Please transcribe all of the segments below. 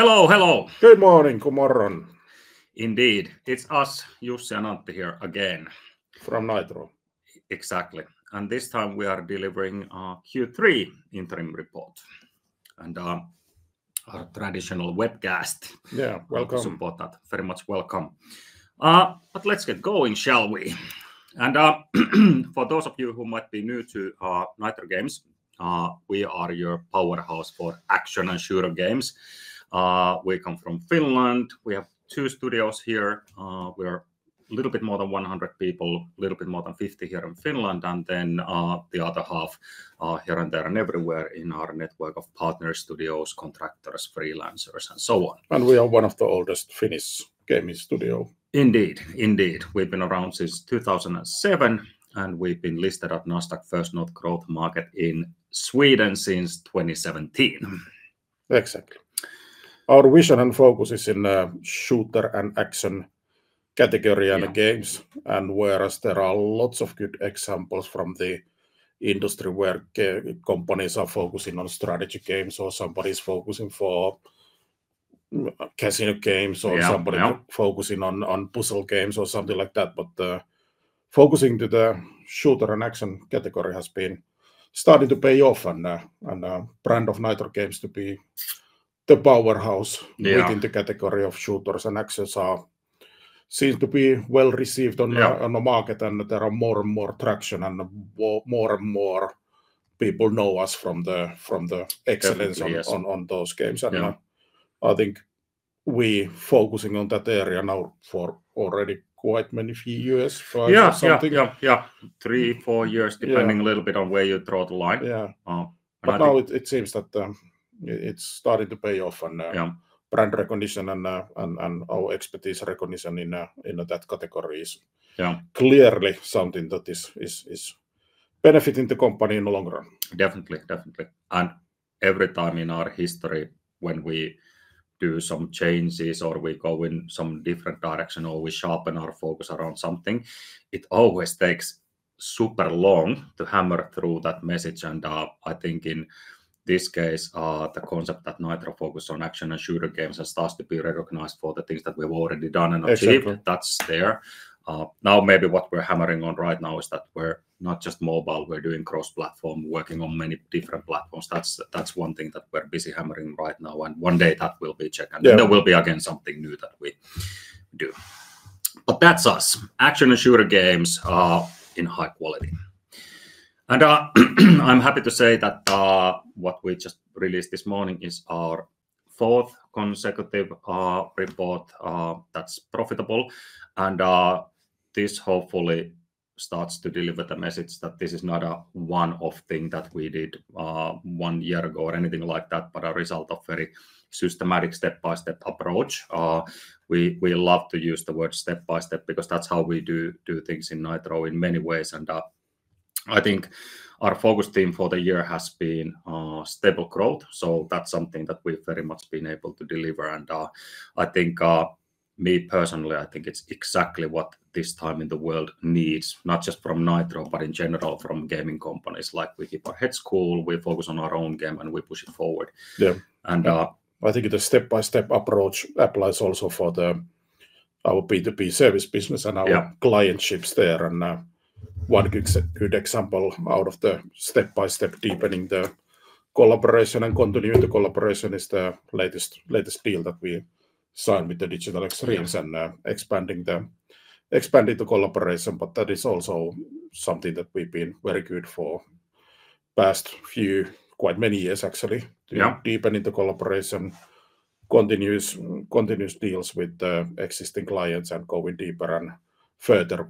Hello, hello! Good morning, good morning. Indeed, it's us, Jussi and Antti here again. From Nitro. Exactly, and this time we are delivering our Q3 interim report, and, our traditional webcast. Yeah, welcome. Welcome to support that. Very much welcome, but let's get going, shall we, and for those of you who might be new to Nitro Games, we are your powerhouse for action and shooter games. We come from Finland. We have two studios here. We are a little bit more than 100 people, a little bit more than 50 here in Finland, and then the other half are here and there and everywhere in our network of partner studios, contractors, freelancers, and so on. We are one of the oldest Finnish gaming studios. Indeed, indeed. We've been around since 2007, and we've been listed at Nasdaq First North Growth Market in Sweden since 2017. Exactly. Our vision and focus is in, shooter and action category in the games and whereas there are lots of good examples from the industry where game companies are focusing on strategy games or somebody's focusing for casino games. Yeah, yeah Or somebody focusing on puzzle games or something like that, but focusing to the shooter and action category has been starting to pay off and brand of Nitro Games to be the powerhouse- Yeah Within the category of shooters, and actions seem to be well received on the- Yeah... on the market, and there are more and more traction and more and more people know us from the excellence- Definitely, yes... on those games. Yeah. I think we're focusing on that area now for already quite a few years, right? Or something. Yeah, yeah, yeah, yeah. Three, four years- Yeah... depending a little bit on where you draw the line. Yeah. But- But now it seems that it's starting to pay off and Yeah... brand recognition and our expertise recognition in that category is- Yeah... clearly something that is benefiting the company in the long run. Definitely, definitely, and every time in our history when we do some changes or we go in some different direction or we sharpen our focus around something, it always takes super long to hammer through that message. And, I think in this case, the concept that Nitro focus on action and shooter games starts to be recognized for the things that we've already done and achieved. Exactly. That's there. Now maybe what we're hammering on right now is that we're not just mobile, we're doing cross-platform, working on many different platforms. That's, that's one thing that we're busy hammering right now, and one day that will be checked- Yeah... and then there will be again something new that we do, but that's us, action and shooter games, in high quality. I'm happy to say that what we just released this morning is our fourth consecutive report that's profitable. This hopefully starts to deliver the message that this is not a one-off thing that we did one year ago or anything like that, but a result of very systematic step-by-step approach. We love to use the word step by step because that's how we do things in Nitro in many ways. I think our focus theme for the year has been stable growth, so that's something that we've very much been able to deliver. I think, me personally, I think it's exactly what this time in the world needs, not just from Nitro, but in general from gaming companies. Like, we keep our heads cool, we focus on our own game, and we push it forward. Yeah. And- I think the step-by-step approach applies also for our B2B service business. Yeah... and our client relationships there. And one good example out of the step-by-step deepening the collaboration and continuity collaboration is the latest deal that we signed with Digital Extremes, and expanding the collaboration. But that is also something that we've been very good for past few, quite many years, actually. Yeah. Deepening the collaboration, continuous deals with the existing clients and going deeper and further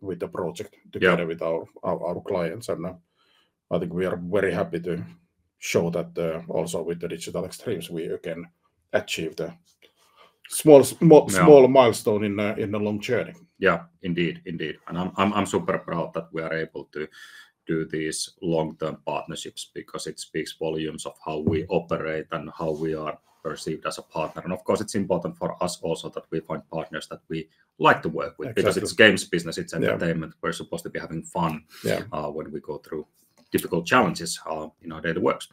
with the project. Yeah... together with our clients. And I think we are very happy to show that also with the Digital Extremes, we again achieved a small- Yeah... a small milestone in a long journey. Yeah, indeed, indeed. And I'm super proud that we are able to do these long-term partnerships because it speaks volumes of how we operate and how we are perceived as a partner. And of course, it's important for us also that we find partners that we like to work with- Exactly... because it's games business, it's entertainment. Yeah. We're supposed to be having fun- Yeah When we go through difficult challenges in our daily works.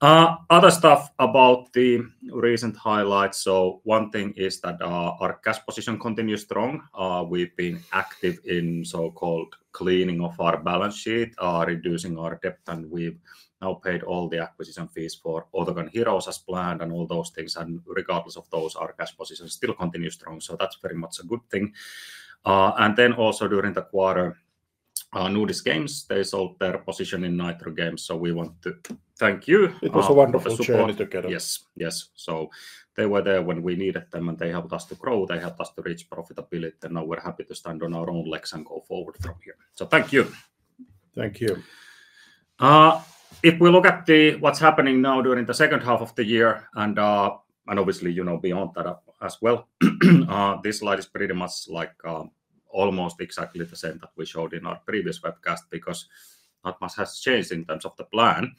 Other stuff about the recent highlights, so one thing is that our cash position continues strong. We've been active in so-called cleaning of our balance sheet, reducing our debt, and we've now paid all the acquisition fees for Autogun Heroes as planned, and all those things. Regardless of those, our cash position still continues strong, so that's very much a good thing. And then also during the quarter, Nordisk Games, they sold their position in Nitro Games, so we want to thank you- It was a wonderful journey together. Yes, yes. So they were there when we needed them, and they helped us to grow. They helped us to reach profitability, and now we're happy to stand on our own legs and go forward from here. So thank you. Thank you. If we look at what's happening now during the second half of the year, and obviously, you know, beyond that as well, this slide is pretty much like almost exactly the same that we showed in our previous webcast, because not much has changed in terms of the plan,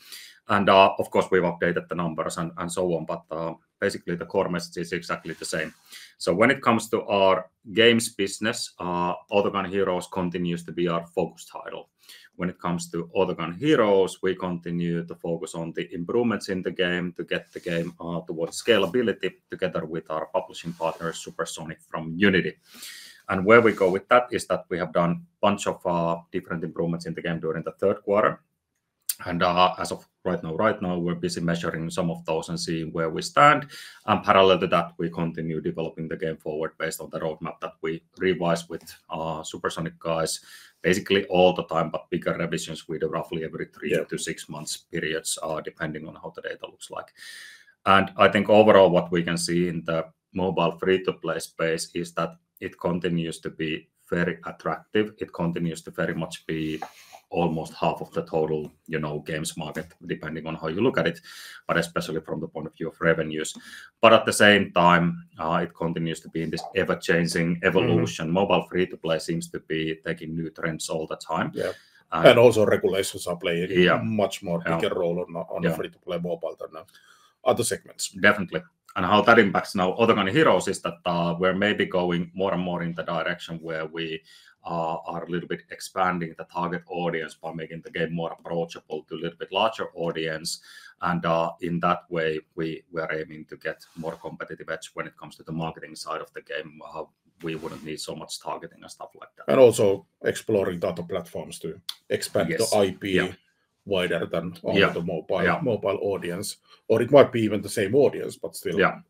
and of course, we've updated the numbers and so on, but basically the core message is exactly the same, so when it comes to our games business, Autogun Heroes continues to be our focus title. When it comes to Autogun Heroes, we continue to focus on the improvements in the game to get the game towards scalability together with our publishing partner, Supersonic, from Unity... and where we go with that is that we have done a bunch of different improvements in the game during the third quarter. And, as of right now, right now, we're busy measuring some of those and seeing where we stand. And parallel to that, we continue developing the game forward based on the roadmap that we revise with our Supersonic guys, basically all the time, but bigger revisions we do roughly every three year to six months periods, depending on how the data looks like. And I think overall, what we can see in the mobile free-to-play space is that it continues to be very attractive. It continues to very much be almost half of the total, you know, games market, depending on how you look at it, but especially from the point of view of revenues. But at the same time, it continues to be in this ever-changing evolution Mobile free-to-play seems to be taking new trends all the time. Yeah. And also regulations are playing- Yeah... a much more bigger role- Yeah... on free-to-play mobile than other segments. Definitely. And how that impacts now Autogun Heroes is that, we're maybe going more and more in the direction where we are a little bit expanding the target audience by making the game more approachable to a little bit larger audience. And, in that way, we are aiming to get more competitive edge when it comes to the marketing side of the game, we wouldn't need so much targeting and stuff like that. And also exploring other platforms to expand- Yes... the IP- Yeah... wider than on Yeah... the mobile- Yeah... mobile audience. Or it might be even the same audience, but still- Yeah...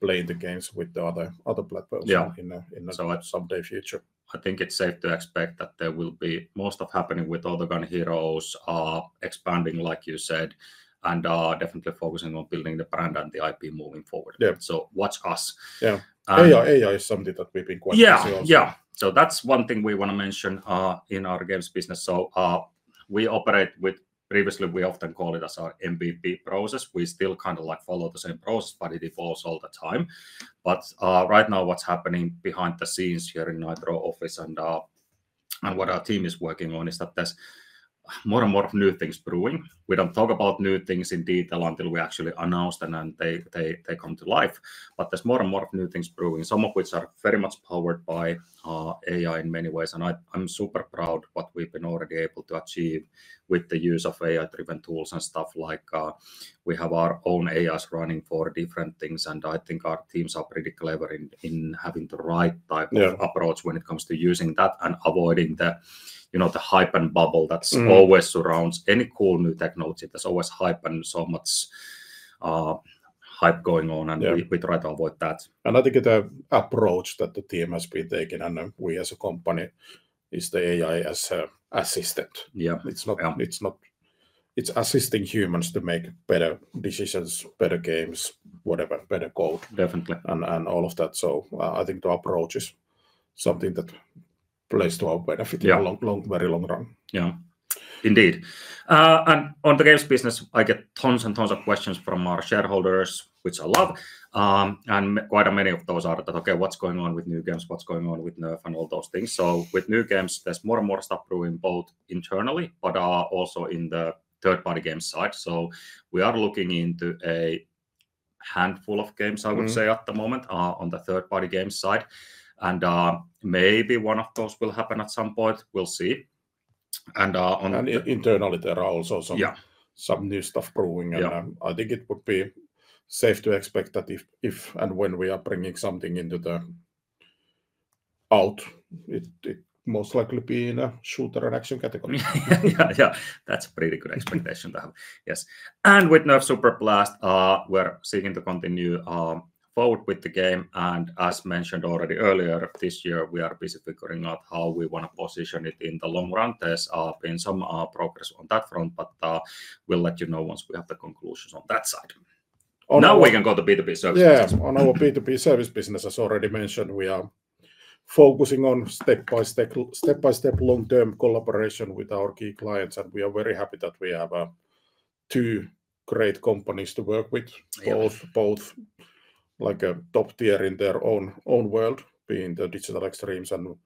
playing the games with the other platforms- Yeah... in the someday future. I think it's safe to expect that there will be most of happening with all the Autogun Heroes are expanding, like you said, and are definitely focusing on building the brand and the IP moving forward. Yeah. Watch us. Yeah. AI. AI is something that we've been quite busy also. Yeah, yeah. So that's one thing we want to mention in our games business. So we operate with... Previously, we often call it as our MVP process. We still kind of like follow the same process, but it evolves all the time. But right now, what's happening behind the scenes here in Nitro office and and what our team is working on, is that there's more and more of new things brewing. We don't talk about new things in detail until we actually announce them, and they come to life. But there's more and more of new things brewing, some of which are very much powered by AI in many ways. I’m super proud what we’ve been already able to achieve with the use of AI-driven tools and stuff like, we have our own AIs running for different things, and I think our teams are pretty clever in having the right type- Yeah... of approach when it comes to using that and avoiding the, you know, the hype and bubble that always surrounds any cool new technology. There's always hype and so much hype going on- Yeah... and we try to avoid that. I think the approach that the team has been taking, and we as a company, is the AI as an assistant. Yeah. It's not- Yeah... it's assisting humans to make better decisions, better games, whatever, better code. Definitely... and all of that, so I think the approach is something that plays to our benefit- Yeah... in the long, long, very long run. Yeah. Indeed, and on the games business, I get tons and tons of questions from our shareholders, which I love, and quite many of those are that, "Okay, what's going on with new games? What's going on with Nerf?" And all those things, so with new games, there's more and more stuff brewing, both internally, but also in the third-party game side, so we are looking into a handful of games, I would say at the moment, on the third-party game side. And, maybe one of those will happen at some point. We'll see. And, on- And internally, there are also some- Yeah... some new stuff brewing. Yeah. I think it would be safe to expect that if and when we are bringing something out, it most likely be in a shooter and action category. Yeah, yeah. That's a pretty good expectation to have. Yes, and with Nerf Superblast, we're seeking to continue forward with the game, and as mentioned already earlier this year, we are basically figuring out how we want to position it in the long run. There's been some progress on that front, but we'll let you know once we have the conclusions on that side. Now we can go to B2B service business. Yeah, on our B2B service business, as already mentioned, we are focusing on step-by-step long-term collaboration with our key clients, and we are very happy that we have two great companies to work with- Yeah... both like a top tier in their own world, being the Digital Extremes and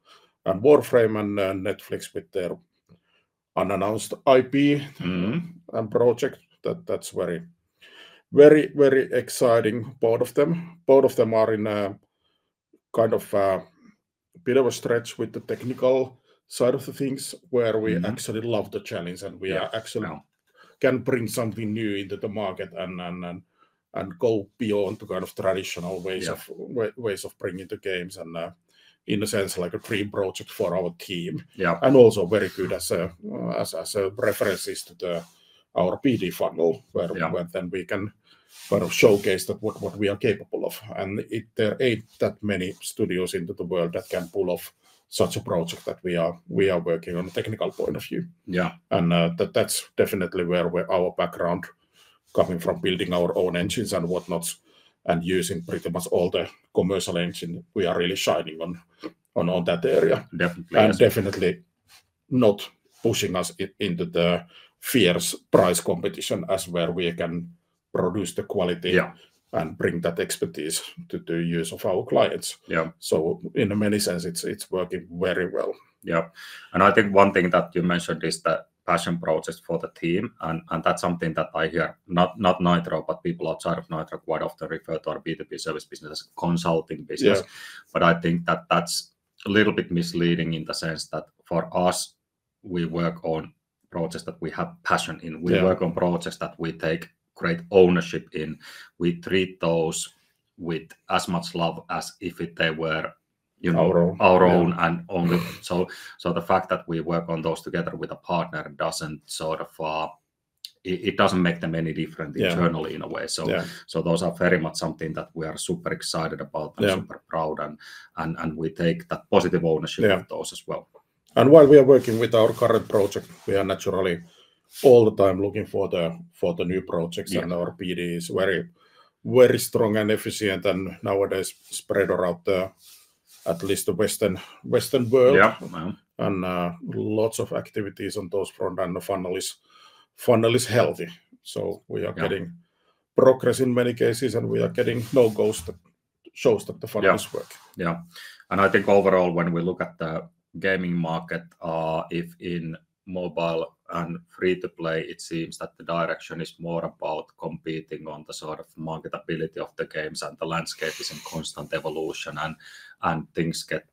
Warframe, and Netflix with their unannounced IP and project. That, that's very, very, very exciting, both of them. Both of them are in a kind of bit of a stretch with the technical side of the thing where we actually love the challenge, and we are actually- Yeah... can bring something new into the market and go beyond the kind of traditional ways of- Yeah... ways of bringing the games, and, in a sense, like a dream project for our team. Yeah. Also very good as a reference to our BD funnel- Yeah... where then we can kind of showcase that what we are capable of. And there ain't that many studios in the world that can pull off such a project that we are working on from a technical point of view. Yeah. That's definitely where our background, coming from building our own engines and whatnot, and using pretty much all the commercial engine, we are really shining on that area. Definitely. And definitely not pushing us into the fierce price competition as where we can produce the quality. Yeah... and bring that expertise to the use of our clients. Yeah. So in many senses, it's working very well. Yeah, and I think one thing that you mentioned is the passion project for the team, and that's something that I hear, not Nitro, but people outside of Nitro quite often refer to our B2B service business as consulting business. Yeah. But I think that's a little bit misleading in the sense that for us, we work on projects that we have passion in. Yeah. We work on projects that we take great ownership in. We treat those with as much love as if they were, you know- Our own... our own and only. So, so the fact that we work on those together with a partner doesn't sort of, it doesn't make them any different- Yeah... internally, in a way. Yeah. So those are very much something that we are super excited about- Yeah... and super proud, and we take that positive ownership- Yeah... of those as well. While we are working with our current project, we are naturally all the time looking for the new projects. Yeah. Our BD is very, very strong and efficient, and nowadays spread around at least the Western world. Yeah. Lots of activities on those front and the funnel is healthy. So we are getting progress in many cases, and we are getting logos that shows that the funnels work. Yeah. And I think overall, when we look at the gaming market, if in mobile and free-to-play, it seems that the direction is more about competing on the sort of marketability of the games, and the landscape is in constant evolution, and things get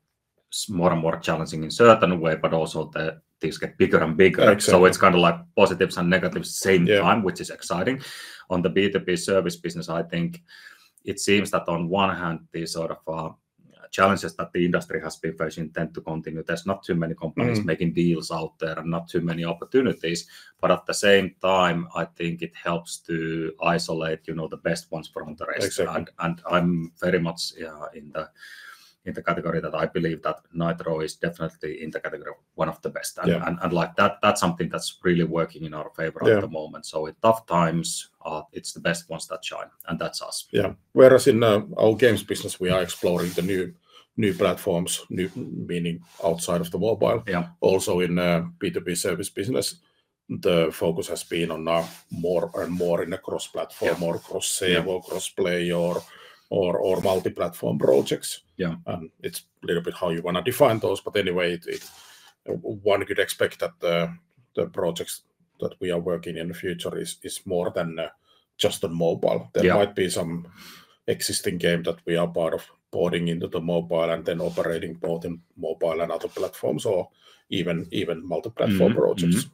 more and more challenging in a certain way, but also the things get bigger and bigger. Exactly. So it's kind of like positives and negatives same time- Yeah... which is exciting. On the B2B service business, I think it seems that on one hand, these sort of challenges that the industry has been facing tend to continue. There's not too many companies making deals out there and not too many opportunities, but at the same time, I think it helps to isolate, you know, the best ones from the rest. Exactly. I'm very much in the category that I believe that Nitro is definitely in the category of one of the best. Yeah. Like, that's something that's really working in our favor- Yeah... at the moment. So in tough times, it's the best ones that shine, and that's us. Yeah. Whereas in our games business, we are exploring the new platforms, new meaning outside of the mobile. Yeah. Also, in B2B service business, the focus has been on more and more in a cross-platform or cross-save or cross-play or multi-platform projects. Yeah. And it's a little bit how you wanna define those, but anyway, one could expect that the projects that we are working in the future is more than just the mobile. Yeah. There might be some existing game that we are part of porting into the mobile and then operating both in mobile and other platforms or even, even multi-platform projects.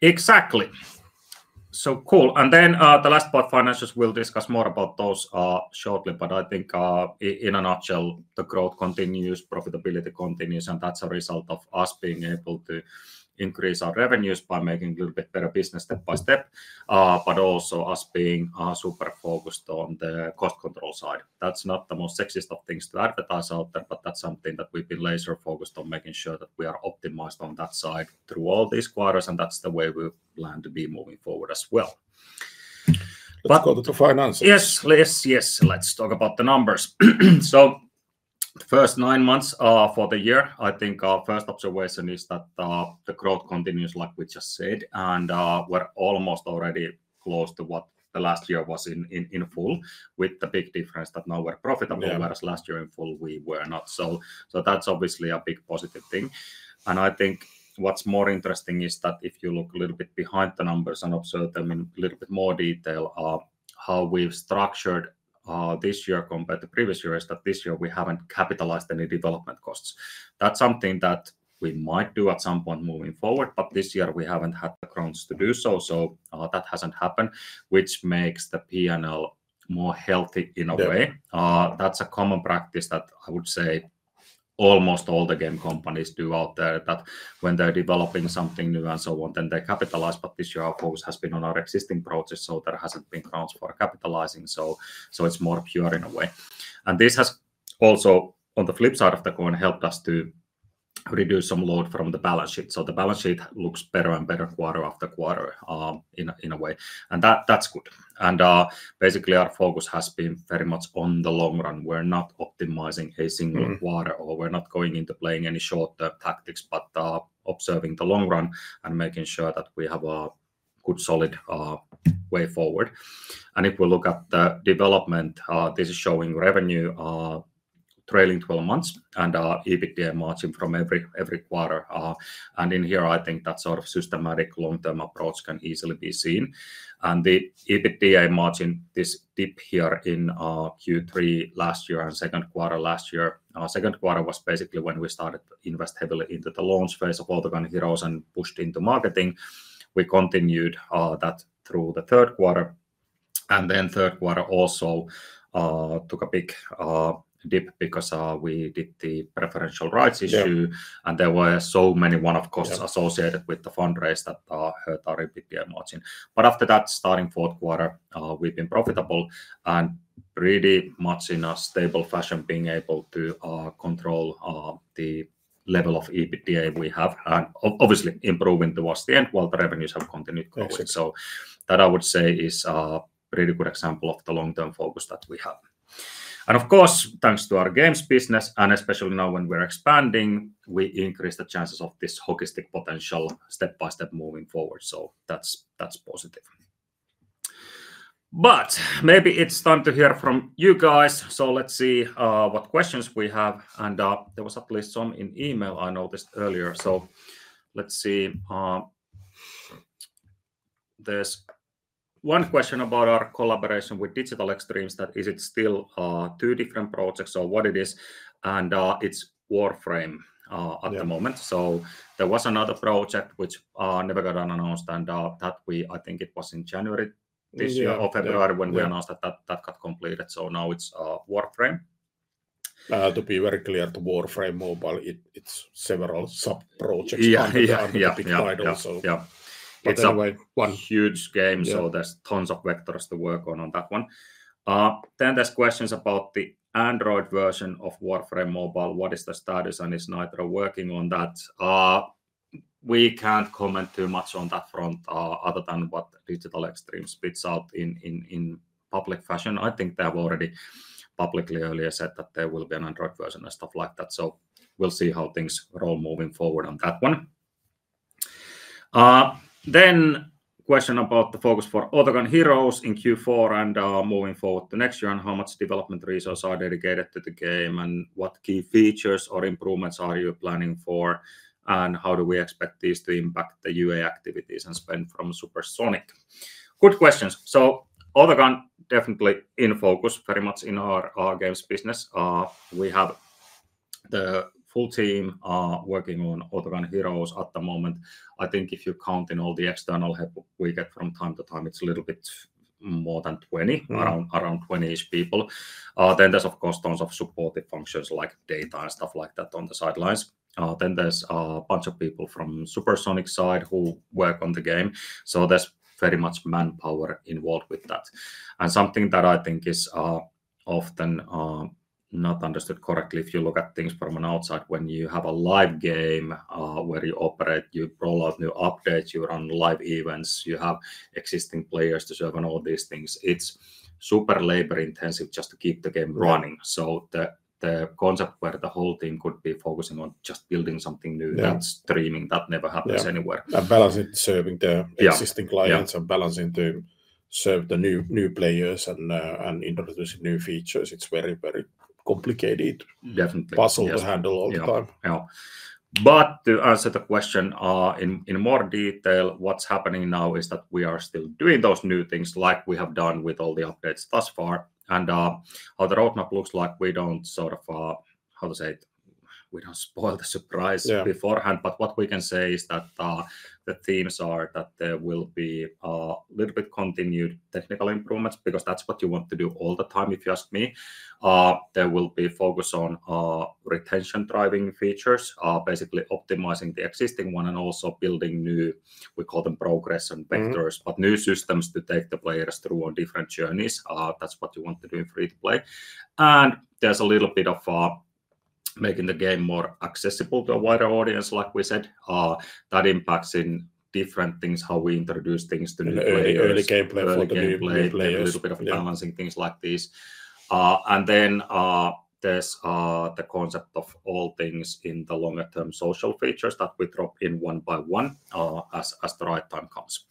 Exactly. So cool, and then the last part, financials, we'll discuss more about those shortly, but I think in a nutshell, the growth continues, profitability continues, and that's a result of us being able to increase our revenues by making a little bit better business step by step, but also us being super focused on the cost control side. That's not the most sexiest of things to advertise out there, but that's something that we've been laser focused on making sure that we are optimized on that side through all these quarters, and that's the way we plan to be moving forward as well. Let's go to the finances. Yes, yes, yes, let's talk about the numbers. So the first nine months for the year, I think our first observation is that the growth continues, like we just said, and we're almost already close to what the last year was in full, with the big difference that now we're profitable- Yeah... whereas last year in full, we were not. So that's obviously a big positive thing. And I think what's more interesting is that if you look a little bit behind the numbers and observe them in a little bit more detail, how we've structured this year compared to previous years, that this year we haven't capitalized any development costs. That's something that we might do at some point moving forward, but this year we haven't had the grounds to do so, so that hasn't happened, which makes the P&L more healthy in a way. Yeah. That's a common practice that I would say almost all the game companies do out there, that when they're developing something new and so on, then they capitalize. But this year, our focus has been on our existing projects, so there hasn't been grounds for capitalizing, so it's more pure in a way. And this has also, on the flip side of the coin, helped us to reduce some load from the balance sheet, so the balance sheet looks better and better quarter after quarter, in a way, and that's good. And basically, our focus has been very much on the long run. We're not optimizing a single quarter or we're not going into playing any short-term tactics, but, observing the long run and making sure that we have a good solid, way forward. And if we look at the development, this is showing revenue, trailing 12 months and our EBITDA margin from every quarter. And in here, I think that sort of systematic long-term approach can easily be seen. And the EBITDA margin, this dip here in Q3 last year and second quarter last year, second quarter was basically when we started to invest heavily into the launch phase of Autogun Heroes and pushed into marketing. We continued that through the third quarter, and then third quarter also took a big dip because we did the preferential rights issue. Yeah. And there were so many one-off costs associated with the fundraise that hurt our EBITDA margin. But after that, starting fourth quarter, we've been profitable and pretty much in a stable fashion, being able to control the level of EBITDA we have, and obviously, improving towards the end, while the revenues have continued growing. Exactly. So that, I would say, is a really good example of the long-term focus that we have. And of course, thanks to our games business, and especially now when we're expanding, we increase the chances of this hockey stick potential step by step moving forward. So that's, that's positive. But maybe it's time to hear from you guys. So let's see, what questions we have, and, there was at least some in email I noticed earlier. So let's see, There's one question about our collaboration with Digital Extremes, that is it still, two different projects or what it is? And, it's Warframe, at the moment. Yeah. So there was another project which never got announced, and that I think it was in January this year- Yeah, yeah... or February when we announced that got completed. So now it's Warframe. To be very clear, the Warframe Mobile, it's several sub-projects. Yeah, yeah Under the big title, so. Yeah, yeah, yeah. But anyway- It's one huge game- Yeah... so there's tons of vectors to work on, on that one. Then there's questions about the Android version of Warframe Mobile, what is the status, and is Nitro working on that? We can't comment too much on that front, other than what Digital Extremes puts out in public fashion. I think they have already publicly earlier said that there will be an Android version and stuff like that, so we'll see how things roll moving forward on that one. Then question about the focus for Autogun Heroes in Q4 and, moving forward to next year, and how much development resources are dedicated to the game, and what key features or improvements are you planning for, and how do we expect these to impact the UA activities and spend from Supersonic? Good questions. So Autogun definitely in focus very much in our games business. We have the full team working on Autogun Heroes at the moment. I think if you're counting all the external help we get from time to time, it's a little bit more than 20 around 20-ish people. Then there's of course tons of supportive functions like data and stuff like that on the sidelines. Then there's a bunch of people from Supersonic's side who work on the game, so there's very much manpower involved with that. Something that I think is often not understood correctly, if you look at things from an outside, when you have a live game where you operate, you roll out new updates, you run live events, you have existing players to serve and all of these things, it's super labor-intensive just to keep the game running. The concept where the whole team could be focusing on just building something new. Yeah... that's dreaming. That never happens anywhere. Yeah, and balancing serving the- Yeah... existing clients- Yeah... and balancing to serve the new players and introducing new features, it's very, very complicated. Definitely, yes... puzzle to handle all the time. Yeah, yeah. But to answer the question, in more detail, what's happening now is that we are still doing those new things like we have done with all the updates thus far. And, how the roadmap looks like, we don't sort of... How to say it? We don't spoil the surprise- Yeah... beforehand, but what we can say is that, the themes are that there will be, little bit continued technical improvements, because that's what you want to do all the time, if you ask me. There will be focus on, retention-driving features, basically optimizing the existing one and also building new, we call them progression vectors but new systems to take the players through on different journeys. That's what you want to do in free to play. And there's a little bit of, making the game more accessible to a wider audience, like we said. That impacts in different things, how we introduce things to new players- Early, early gameplay for the new players.... Early gameplay. Yeah... a little bit of balancing things like this, and then there's the concept of all things in the longer-term social features that we drop in one by one, as the right time comes,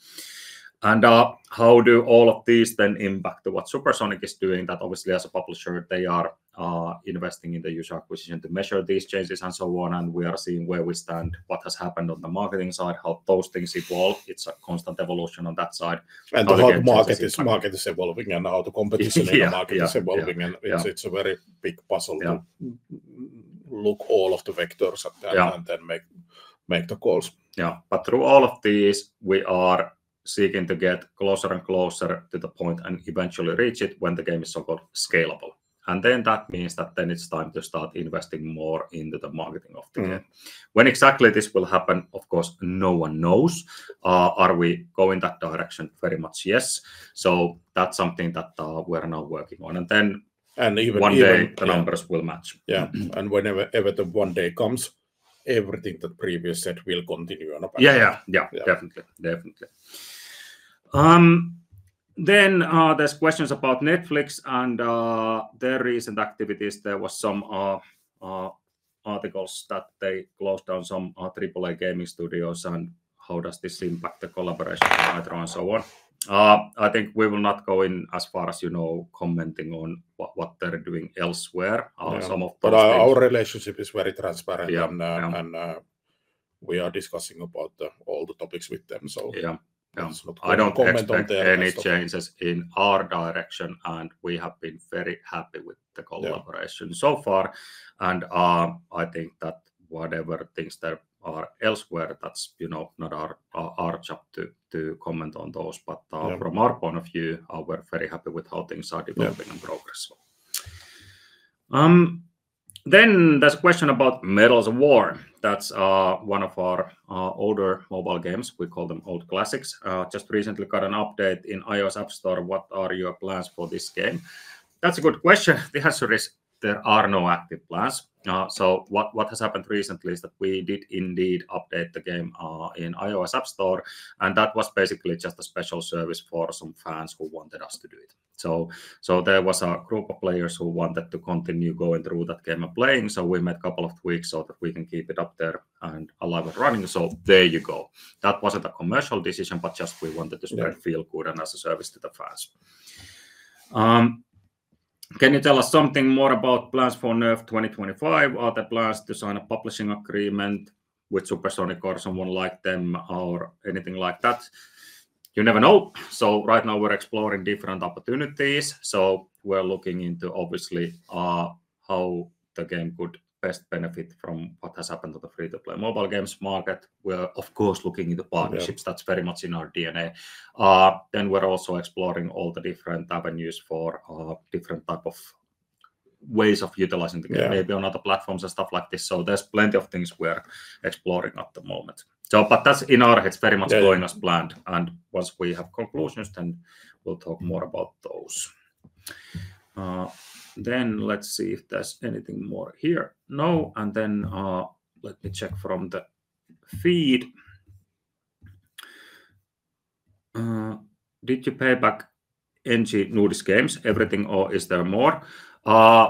and how do all of these then impact what Supersonic is doing? That obviously, as a publisher, they are investing in the user acquisition to measure these changes and so on, and we are seeing where we stand, what has happened on the marketing side, how those things evolve. It's a constant evolution on that side. And again- How the market is evolving and how the competition- Yeah, yeah, yeah.... in the market is evolving, and- Yeah... it's a very big puzzle- Yeah... to look all of the vectors- Yeah... and then make the calls. Yeah, but through all of this, we are seeking to get closer and closer to the point, and eventually reach it, when the game is so-called scalable, and then that means it's time to start investing more into the marketing of the game. When exactly this will happen, of course, no one knows. Are we going that direction? Very much, yes. So that's something that we are now working on. And then- Even One day the numbers will match. Yeah. Whenever the one day comes, everything that previously said will continue on about it. Yeah, yeah. Yeah- Yeah... definitely, definitely. Then, there's questions about Netflix and their recent activities. There was some articles that they closed down some AAA gaming studios, and how does this impact the collaboration with Nitro and so on? I think we will not go in as far as, you know, commenting on what they're doing elsewhere. Yeah. Some of those things- But our relationship is very transparent- Yeah, yeah... and we are discussing about all the topics with them, so- Yeah, yeah... Let's not comment on that. I don't expect any changes in our direction, and we have been very happy with the collaboration- Yeah... so far. And I think that whatever things there are elsewhere, that's, you know, not our job to comment on those. Yeah. But, from our point of view, we're very happy with how things are developing and progress. Then there's a question about Medals of War. That's one of our older mobile games. We call them old classics. Just recently got an update in iOS App Store. What are your plans for this game? That's a good question. The answer is, there are no active plans. So what has happened recently is that we did indeed update the game in iOS App Store, and that was basically just a special service for some fans who wanted us to do it. So there was a group of players who wanted to continue going through that game and playing, so we made a couple of tweaks so that we can keep it up there and alive and running, so there you go. That wasn't a commercial decision, but just we wanted to feel good and as a service to the fans. Can you tell us something more about plans for Nerf 2025? Are there plans to sign a publishing agreement with Supersonic or someone like them, or anything like that? You never know. So right now we're exploring different opportunities, so we're looking into obviously, how the game could best benefit from what has happened to the free-to-play mobile games market. We're of course, looking into partnerships. Yeah. That's very much in our DNA. Then we're also exploring all the different avenues for different type of ways of utilizing the game- Yeah Maybe on other platforms and stuff like this. So there's plenty of things we're exploring at the moment. So, but that's in our heads very much. Yeah -going as planned, and once we have conclusions, then we'll talk more about those. Then let's see if there's anything more here. No, and then, let me check from the feed. Did you pay back Nordisk Games everything, or is there more?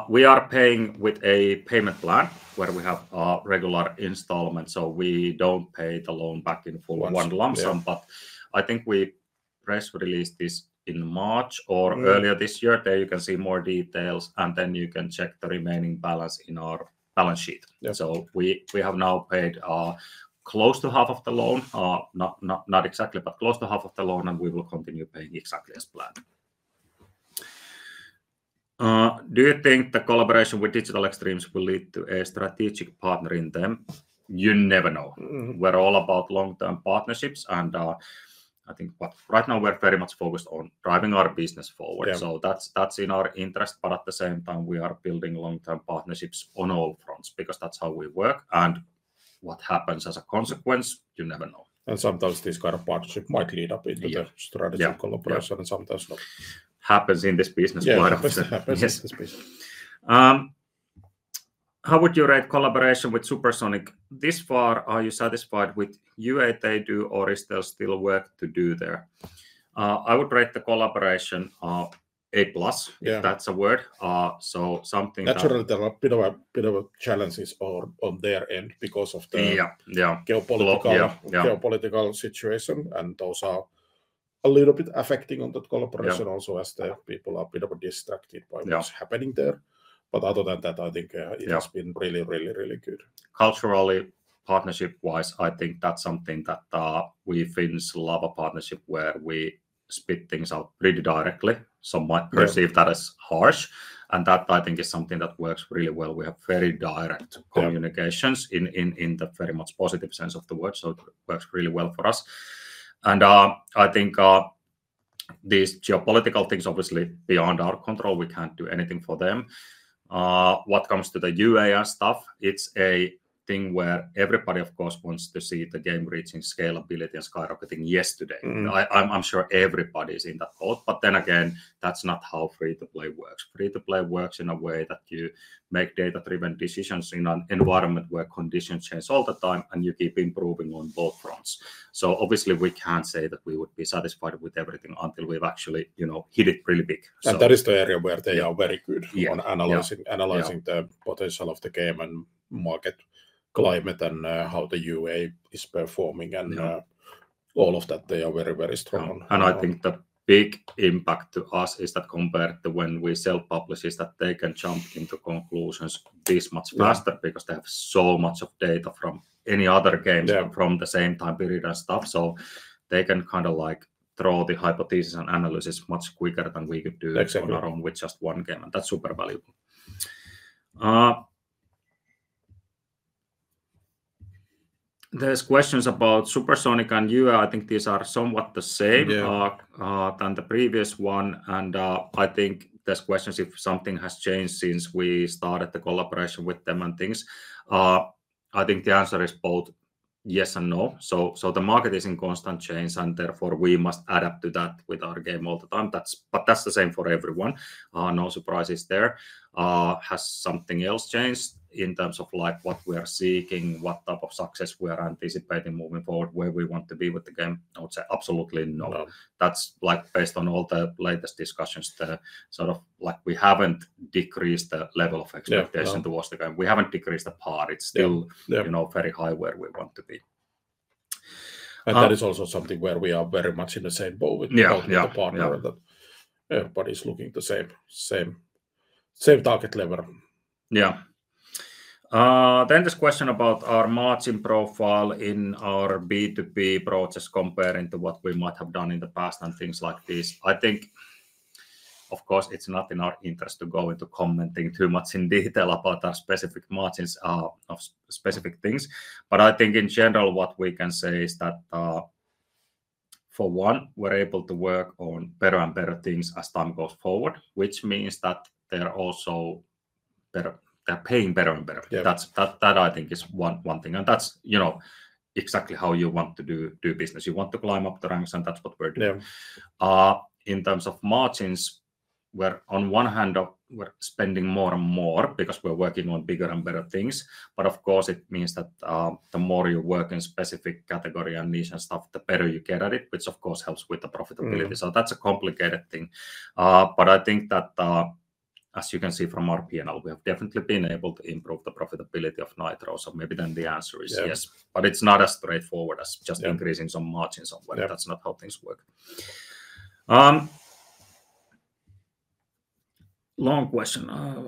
We are paying with a payment plan where we have, regular installments, so we don't pay the loan back in full- Once one lump sum. Yeah. But I think we press released this in March or earlier this year. There you can see more details, and then you can check the remaining balance in our balance sheet. Yeah. We have now paid close to half of the loan. Not exactly, but close to half of the loan, and we will continue paying exactly as planned. Do you think the collaboration with Digital Extremes will lead to a strategic partner in them? You never know. We're all about long-term partnerships, and, I think, but right now we're very much focused on driving our business forward. Yeah. So that's, that's in our interest, but at the same time, we are building long-term partnerships on all fronts because that's how we work, and what happens as a consequence, you never know. Sometimes these kind of partnerships might lead up into the strategic collaboration and sometimes not. Happens in this business quite often. Yeah, this happens in this business. How would you rate collaboration with Supersonic this far? Are you satisfied with what they do, or is there still work to do there? I would rate the collaboration A plus- Yeah -if that's a word, so something that- Naturally, there are a bit of challenges on their end because of the- Yeah, yeah -geopolitical- Global, yeah, yeah.... geopolitical situation, and those are a little bit affecting on the collaboration also. Yeah as the people are a bit distracted by Yeah What's happening there. But other than that, I think, Yeah It has been really, really, really good. Culturally, partnership-wise, I think that's something that we Finns love a partnership where we spit things out pretty directly. Some might perceive that as harsh, and that I think is something that works really well. We have very direct communications in the very much positive sense of the word, so it works really well for us. And I think these geopolitical things obviously beyond our control, we can't do anything for them. What comes to the UA stuff, it's a thing where everybody of course wants to see the game reaching scalability and skyrocketing yesterday. I'm sure everybody is in that thought, but then again, that's not how free to play works. Free to play works in a way that you make data-driven decisions in an environment where conditions change all the time, and you keep improving on both fronts. So obviously we can't say that we would be satisfied with everything until we've actually, you know, hit it really big. So- That is the area where they are very good. Yeah -on analyzing- Yeah, yeah... analyzing the potential of the game and market climate and how the UA is performing, and Yeah All of that, they are very, very strong. I think the big impact to us is that, compared to when we self-publish, they can jump to conclusions this much faster because they have so much of data from any other games- Yeah From the same time period and stuff. So they can kind of like draw the hypothesis and analysis much quicker than we could do- Exactly -on our own with just one game, and that's super valuable. There's questions about Supersonic and you. I think these are somewhat the same- Yeah ...than the previous one, and I think there's questions if something has changed since we started the collaboration with them and things. I think the answer is both yes and no. The market is in constant change, and therefore, we must adapt to that with our game all the time. But that's the same for everyone. No surprises there. Has something else changed in terms of like what we are seeking, what type of success we are anticipating moving forward, where we want to be with the game? I would say absolutely not. No. That's like, based on all the latest discussions, the sort of like we haven't decreased the level of expectation- Yeah, no Towards the game. We haven't decreased the bar. It's still- Yeah... you know, very high where we want to be. And- And that is also something where we are very much in the same boat with the partner, that everybody's looking the same target level. Yeah. Then this question about our margin profile in our B2B process comparing to what we might have done in the past and things like this. I think of course, it's not in our interest to go into commenting too much in detail about our specific margins, of specific things, but I think in general, what we can say is that, for one, we're able to work on better and better things as time goes forward, which means that they're also better. They're paying better and better. Yeah. That's, I think, one thing, and that's, you know, exactly how you want to do business. You want to climb up the ranks, and that's what we're doing. Yeah. In terms of margins, we're on one hand, we're spending more and more because we're working on bigger and better things, but of course, it means that the more you work in specific category and niche and stuff, the better you get at it, which of course helps with the profitability. So that's a complicated thing. But I think that, as you can see from our P&L, we have definitely been able to improve the profitability of Nitro. So maybe then the answer is yes- Yeah. But it's not as straightforward as just- Yeah... increasing some margins or whatever. Yeah. That's not how things work. Long question.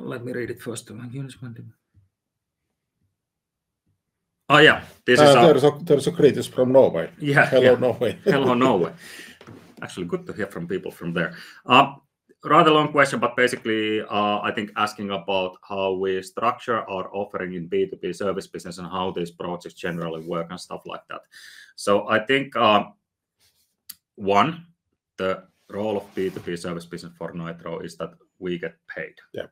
Let me read it first. Oh, yeah, this is- There are greetings from Norway. Yeah. Hello, Norway. Hello, Norway. Actually, good to hear from people from there. Rather long question, but basically, I think asking about how we structure our offering in B2B service business and how these projects generally work and stuff like that. So I think, one, the role of B2B service business for Nitro is that we get paid. Yeah.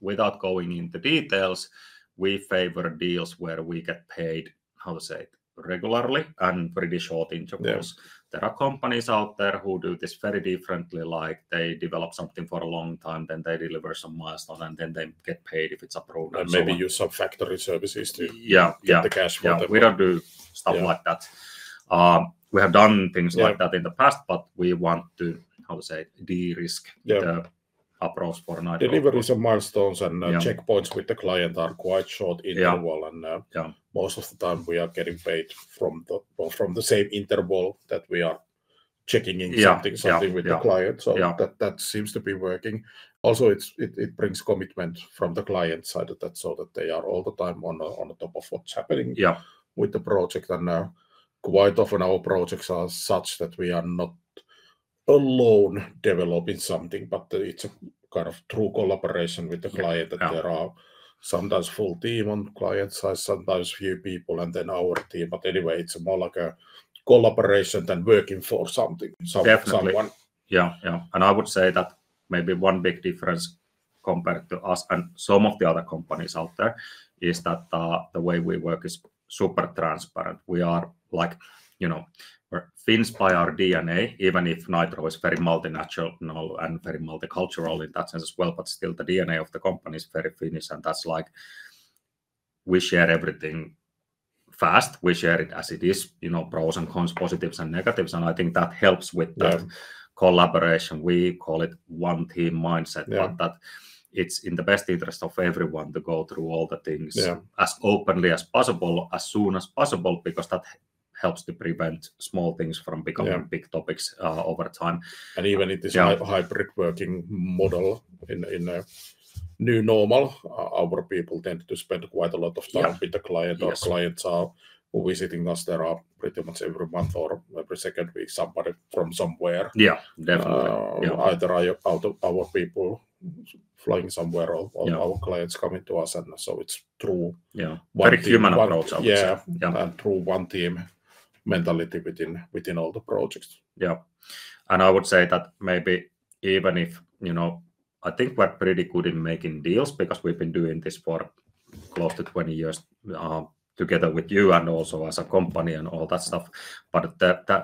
Without going into details, we favor deals where we get paid, how to say it? Regularly, and pretty short intervals. Yeah. There are companies out there who do this very differently, like they develop something for a long time, then they deliver some milestone, and then they get paid if it's approved. And maybe use some factoring services to... Yeah, yeah... get the cash flow. We don't do stuff like that. Yeah. We have done things like that- Yeah... in the past, but we want to, how to say, de-risk- Yeah... the approach for Nitro. Deliveries and milestones and- Yeah... checkpoints with the client are quite short intervals. Yeah, yeah. Most of the time we are getting paid from the same interval that we are checking in- Yeah, yeah... something, something with the client. Yeah. So that seems to be working. Also, it brings commitment from the client side of that, so that they are all the time on the top of what's happening- Yeah... with the project, and quite often our projects are such that we are not alone developing something, but it's a kind of true collaboration with the client. Yeah. And there are sometimes full team on client side, sometimes few people, and then our team. But anyway, it's more like a collaboration than working for something- Definitely... someone. Yeah, yeah. And I would say that maybe one big difference compared to us and some of the other companies out there, is that, the way we work is super transparent. We are like, you know, we're Finns by our DNA, even if Nitro is very multinational and very multicultural in that sense as well. But still, the DNA of the company is very Finnish, and that's like we share everything fast. We share it as it is, you know, pros and cons, positives and negatives, and I think that helps with the- Yeah... collaboration. We call it one team mindset but that it's in the best interest of everyone to go through all the things- Yeah... as openly as possible, as soon as possible, because that helps to prevent small things from becoming- Yeah... big topics over time. Even in this hybrid working model in a new normal, our people tend to spend quite a lot of time- Yeah... with the client. Yes. Our clients are visiting us. There are pretty much every month or every second week, somebody from somewhere. Yeah, definitely. Either out of our people flying somewhere or- Yeah... our clients coming to us, and so it's true. Yeah. Very human approach. Yeah. And true one team mentality within all the projects. Yeah, and I would say that maybe even if, you know. I think we're pretty good in making deals because we've been doing this for close to twenty years, together with you and also as a company and all that stuff, but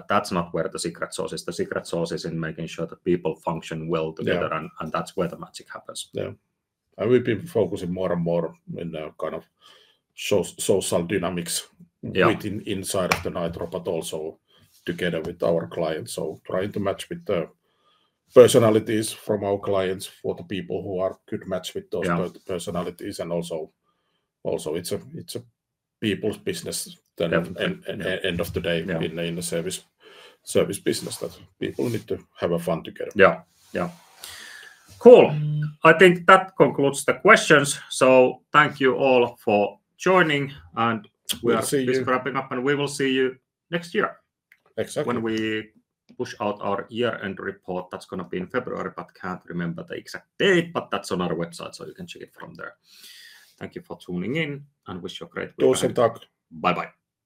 that's not where the secret sauce is. The secret sauce is in making sure that people function well together- Yeah... and that's where the magic happens. Yeah, and we've been focusing more and more in the kind of so-social dynamics- Yeah ... within inside of the Nitro, but also together with our clients. So trying to match with the personalities from our clients, for the people who are good match with those- Yeah... personalities and also it's a people business then at end of the day- Yeah... in a service business, that people need to have fun together. Yeah, yeah. Cool. I think that concludes the questions, so thank you all for joining, and we are- See you... just wrapping up, and we will see you next year. Exactly... when we push out our year-end report. That's gonna be in February, but can't remember the exact date, but that's on our website, so you can check it from there. Thank you for tuning in, and wish you a great week. Tusen takk. Bye-bye.